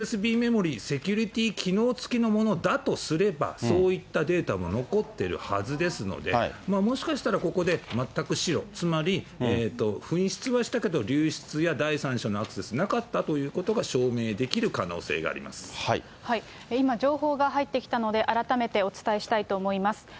このＵＳＢメモリ、セキュリティー機能付きのものだとすれば、そういったデータも残ってるはずですので、もしかしたらここで全く白、つまり紛失はしたけど流出や第三者のアクセスなかったということ今、情報が入ってきたので、改めてお伝えしたいと思います。